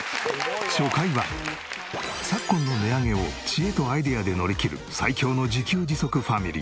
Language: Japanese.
初回は昨今の値上げを知恵とアイデアで乗りきる最強の自給自足ファミリー